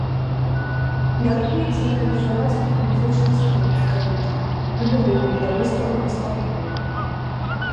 Мяркуецца арганізаваць тут музычны салон з камінам, галерэю для выставак мастакоў.